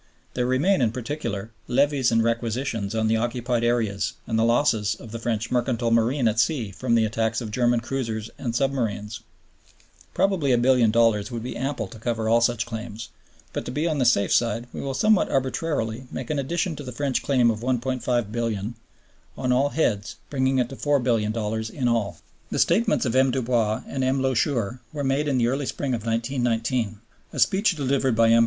There remain, in particular, levies and requisitions on the occupied areas and the losses of the French mercantile marine at sea from the attacks of German cruisers and submarines. Probably $1,000,000,000 would be ample to cover all such claims; but to be on the safe side, we will, somewhat arbitrarily, make an addition to the French claim of $1,500,000,000 on all heads, bringing it to $4,000,000,000 in all. The statements of M. Dubois and M. Loucheur were made in the early spring of 1919. A speech delivered by M.